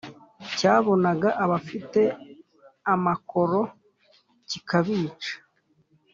cyabonaga abafite amakoro kikabica,